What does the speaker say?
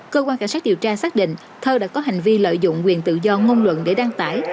cơ quan cảnh sát điều tra xác định thơ đã có hành vi lợi dụng quyền tự do ngôn luận để đăng tải